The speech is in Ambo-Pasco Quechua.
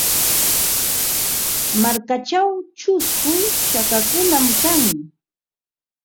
Markachaw chusku chakakunam kan.